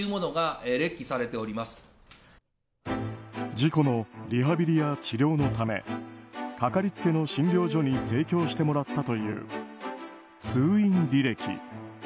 事故のリハビリや治療のためかかりつけの診療所に提供してもらったという通院履歴。